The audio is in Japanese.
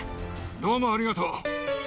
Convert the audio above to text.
どうもありがとう。